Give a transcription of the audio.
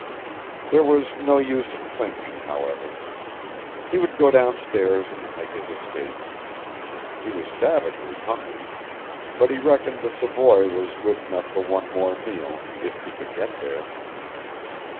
There was no use in thinking, however. He would go downstairs and make his escape. He was savagely hungry, but he reckoned the Savoy was good enough for one more meal if he could get there.